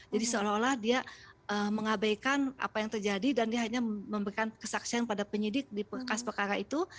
jadi seolah olah dia mengabaikan apa yang terjadi dan dia hanya memberikan kesaksian pada penyidik di perkasaan perkara itu